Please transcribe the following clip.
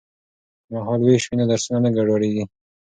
که مهال ویش وي نو درسونه نه ګډوډیږي.